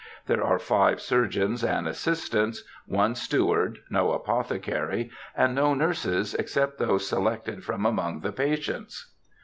There are five surgeons and assistants, one steward, no apothecary, and no nurses, except those selected from among the patients.